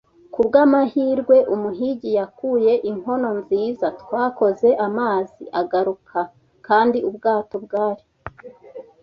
Kubwamahirwe Umuhigi yakuye inkono nziza. Twakoze amazi aguruka, kandi ubwato bwari